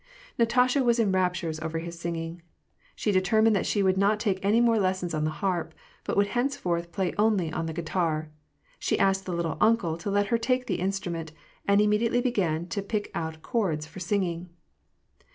Na tasha was in raptures over his singing. She determined that she would not take any more lessons on the harp, but would henceforth play only on the guitar. She asked the "little uncle " to let her take the instrument, and immediately began to pick out chords for singing.